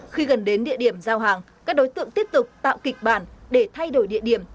khi gần đến địa điểm giao hàng các đối tượng tiếp tục tạo kịch bản để thay đổi địa điểm